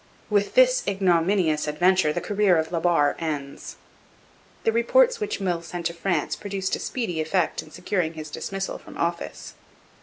With this ignominious adventure the career of La Barre ends. The reports which Meulles sent to France produced a speedy effect in securing his dismissal from office.